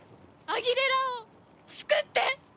アギレラを救って！